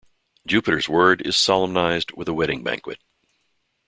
Jupiter's word is solemnized with a wedding banquet.